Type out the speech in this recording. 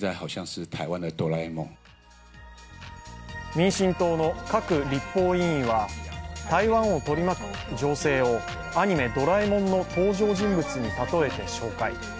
民進党の郭立法委員は台湾を取り巻く情勢をアニメ「ドラえもん」の登場人物に例えて紹介。